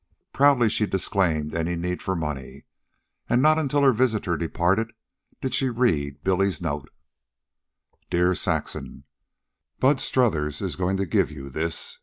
Proudly she disclaimed any need for money, and not until her visitor departed did she read Billy's note: Dear Saxon Bud Strothers is going to give you this.